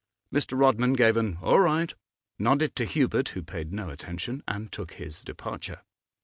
Mr. Rodman gave an 'All right,' nodded to Hubert, who paid no attention, and took his departure.